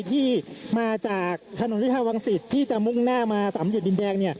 ที่มาจากถนนวิทยาวังศิษย์ที่จะมุ่งหน้ามาสามเหยืดดินแดง